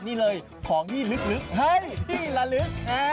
นี่เลยของที่ลึกเฮ้ยที่ละลึก